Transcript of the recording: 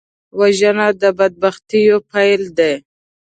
وژنه د بدبختیو پیل دی